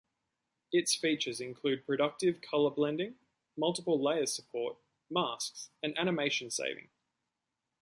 Its features include productive color blending, multiple layer support, masks and animation saving.